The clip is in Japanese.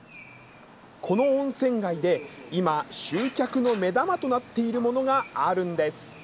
この温泉街で今、集客の目玉となっているものがあるんです。